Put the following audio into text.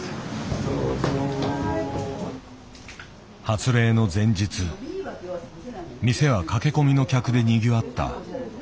発令の前日店は駆け込みの客でにぎわった。